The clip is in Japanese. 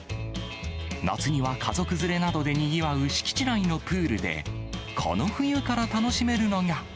夏には家族連れなどでにぎわう敷地内のプールで、この冬から楽しえ？